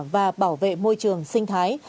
và bảo vệ môi trường sinh thái